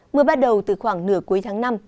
mưa bắt đầu từ khoảng nửa cuối tháng năm